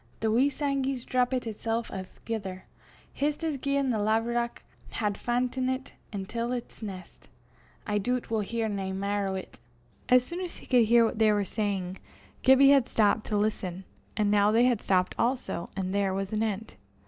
the wee sangie's drappit itsel' a'thegither, jist as gien the laverock had fa'ntit intil 'ts nest. I doobt we'll hear nae mair o' 't." As soon as he could hear what they were saying, Gibbie had stopped to listen; and now they had stopped also, and there was an end.